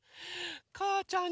かーちゃん